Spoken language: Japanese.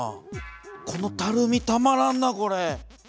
このたるみたまらんな。